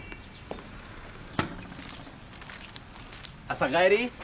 朝帰り？